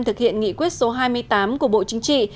thực hiện nghị quyết số hai mươi tám của bộ chính trị